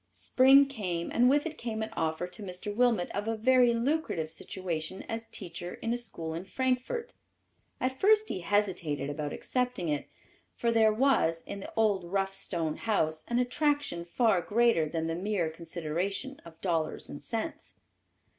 Spring came, and with it came an offer to Mr. Wilmot of a very lucrative situation as teacher in a school in Frankfort. At first he hesitated about accepting it, for there was, in the old rough stone house, an attraction far greater than the mere consideration of dollars and cents.